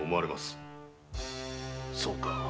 そうか。